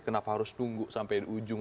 kenapa harus tunggu sampai di ujung